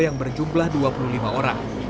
yang berjumlah dua puluh lima orang